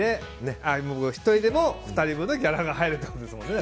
１人でも２人分のギャラが入るということですもんね。